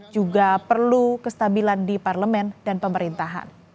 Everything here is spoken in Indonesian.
juga perlu kestabilan di parlemen dan pemerintahan